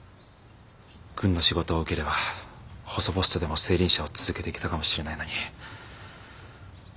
軍の仕事を受ければ細々とでも青凜社を続けていけたかもしれないのに。